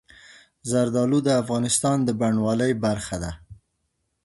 زردالو د افغانستان د بڼوالۍ برخه ده.